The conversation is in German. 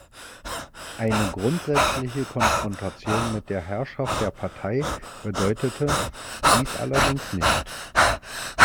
Eine grundsätzliche Konfrontation mit der Herrschaft der Partei bedeutete dies allerdings nicht.